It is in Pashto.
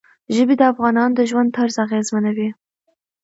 ژبې د افغانانو د ژوند طرز اغېزمنوي.